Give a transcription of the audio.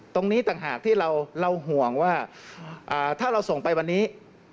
ตรงนี้ต่างหากที่เราห่วงว่าถ้าเราส่งไปวันนี้